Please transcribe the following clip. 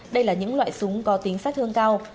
đây là những loại súng có tính sát thương cao